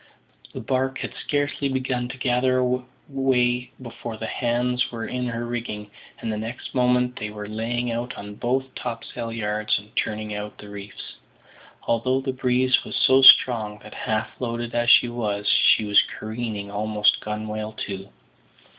The barque had scarcely begun to gather way before the hands were in her rigging, and next moment they were laying out on both topsail yards and turning out the reefs; although the breeze was so strong that, half loaded as she was, she was careening almost gunwale to.